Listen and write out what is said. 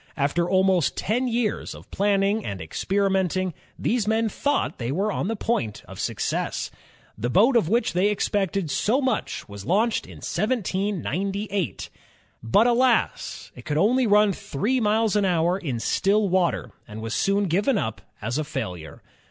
After almost ten years of planning and experimenting, these men thought they were on the point of success. The boat of which they expected so much was launched in 1798. But alas! it could run only three miles an hour in still water, and was soon given up as a^failure.